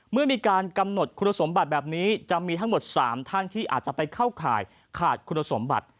เมื่อมีการกำหนดคุณสมบัติแบบนี้จะมีทั้งหมด๓ท่านที่อาจจะไปเข้าข่ายขาดคุณสมบัติ